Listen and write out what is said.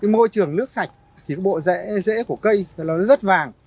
môi trường nước sạch thì bộ rễ rễ của cây nó rất vàng